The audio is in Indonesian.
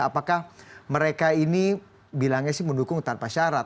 apakah mereka ini bilangnya sih mendukung tanpa syarat